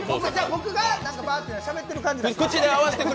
僕がしゃべってる感じに。